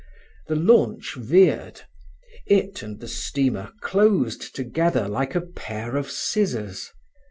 The launch veered. It and the steamer closed together like a pair of scissors.